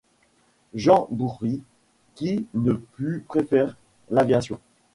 Jean Bourhis qui ne peut préfère l'aviation.